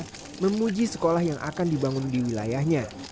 mereka memuji sekolah yang akan dibangun di wilayahnya